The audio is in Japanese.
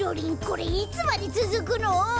これいつまでつづくの？